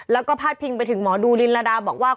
แล้วก็พาดพิงไปถึงหมอดูลินระดาบอกว่า